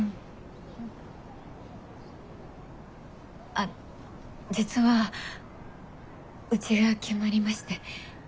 あ実はうちが決まりまして。